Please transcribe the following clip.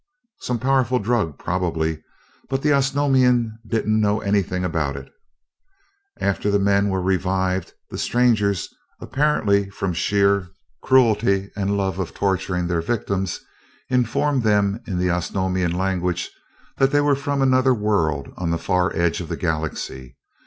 "Some powerful drug, probably, but the Osnomian didn't know anything about it. After the men were revived, the strangers, apparently from sheer cruelty and love of torturing their victims, informed them in the Osnomian language that they were from another world, on the far edge of the Galaxy.